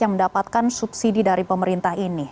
yang mendapatkan subsidi dari pemerintah ini